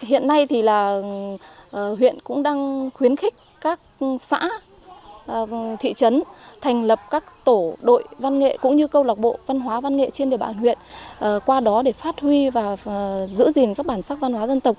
hiện nay thì là huyện cũng đang khuyến khích các xã thị trấn thành lập các tổ đội văn nghệ cũng như câu lạc bộ văn hóa văn nghệ trên địa bàn huyện qua đó để phát huy và giữ gìn các bản sắc văn hóa dân tộc